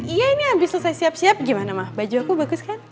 iya ini habis selesai siap siap gimana mah baju aku bagus kan